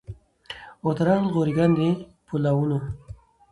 ورته راغلل غوري ګان د پولاوونو